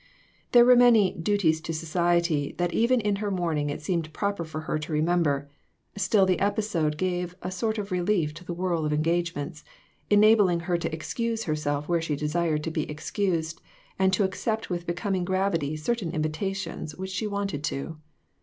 There were many "duties to society" that even in her mourning it seemed proper for her to remember ; still the episode gave a sort of relief to the whirl of engagements, enabling her to excuse herself where she desired to be excused and to accept with becoming gravity certain invi tations which she wanted to.